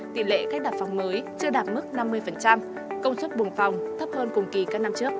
tỉ lệ cách đặt phòng mới chưa đạt mức năm mươi